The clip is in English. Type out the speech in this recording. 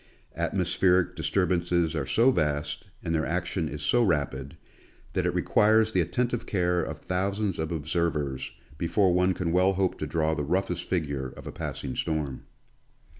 Atmospheric disturb ances are so vast, and their action is so rapid, that it requires the attentive care of thousands of observers before one can well hope to draw the roughest figure of a passing storm.